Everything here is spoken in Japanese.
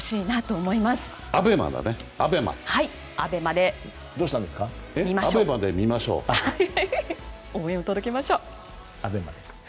思いを届けましょう。